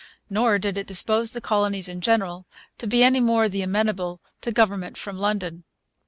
Nor did it dispose the colonies in general to be any the more amenable to government from London.